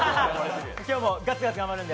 今日もガツガツ頑張るんで。